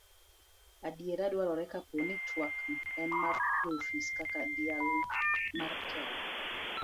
adiera dwarore kapo ni twak no en mar joofis kaka dialo mar telo